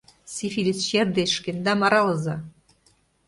СИФИЛИС ЧЕР ДЕЧ ШКЕНДАМ АРАЛЫЗА!